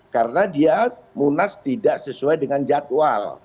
karena dia munas tidak sesuai dengan jadwal